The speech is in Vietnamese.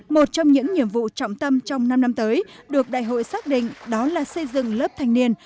một trong những nhiệm vụ trọng tâm trong năm năm tới được đại hội xác định đó là xây dựng lớp thanh niên